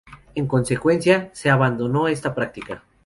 En consecuencia, se abandonó esta práctica.